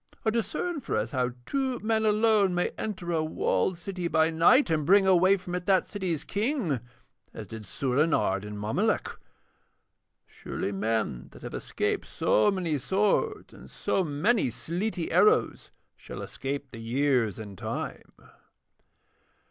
Or discern for us how two men alone may enter a walled city by night, and bring away from it that city's king, as did Soorenard and Mommolek. Surely men that have escaped so many swords and so many sleety arrows shall escape the years and Time.'